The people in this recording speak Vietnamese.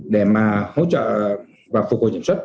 để mà hỗ trợ và phục hồi nhận xuất